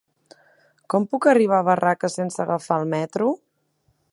Com puc arribar a Barraques sense agafar el metro?